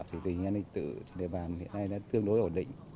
thì tùy an ninh tự địa bàn hiện nay